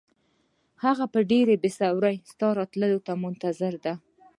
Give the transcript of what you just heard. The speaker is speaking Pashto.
هغه په ډېره بې صبرۍ ستا راتلو ته منتظر دی.